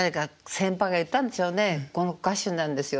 「この子歌手になるんですよ」